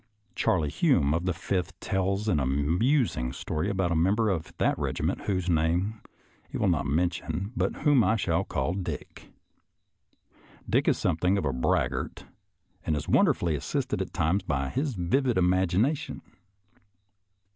Charley Hume, of the Fifth, tells an amusing story about a member of that regiment, whose name he will not mention, but whom I shall call Dick. Dick is something of a braggart and is wonderfully assisted at times by a vivid imagina tion.